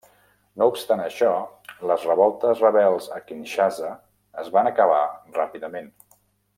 No obstant això, les revoltes rebels a Kinshasa es van acabar ràpidament.